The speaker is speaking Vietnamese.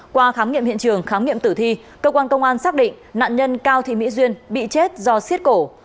qua khám nghiệm hiện trường khám nghiệm tử thi cơ quan công an xác định nạn nhân cao thị mỹ duyên bị chết do xiết cổ